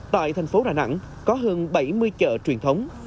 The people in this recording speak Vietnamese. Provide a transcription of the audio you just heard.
tại thành phố đà nẵng có hơn bảy mươi chợ truyền thống